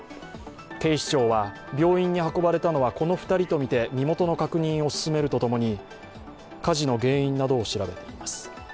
警視庁は病院に運ばれたのはこの２人とみて身元の確認を進めるとともに火事の原因などを調べています。